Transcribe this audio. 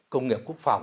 công nghiệp quốc phòng